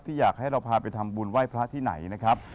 อยากให้เราพาไปทำบุญไหว้พระที่ไหนนะครับ